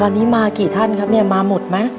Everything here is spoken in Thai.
วันนี้มากี่ท่านครับเนี่ยมาหมดไหม